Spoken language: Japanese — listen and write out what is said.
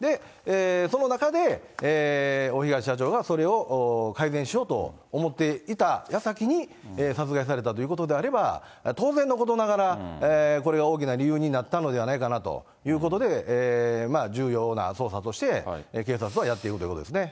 その中で、大東社長がそれを改善しようと思っていたやさきに殺害されたということであれば、当然のことながら、これが大きな理由になったのではないかなということで、重要な捜査として、警察はやっているということですね。